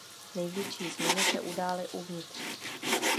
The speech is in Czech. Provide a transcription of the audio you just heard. Největší změny se udály uvnitř.